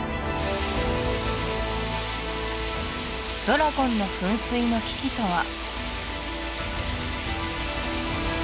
ドラゴンの噴水の危機とは？